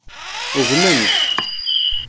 Ugmen-d.